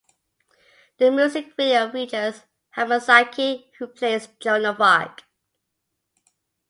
The music video features Hamasaki who plays Joan Of Arc.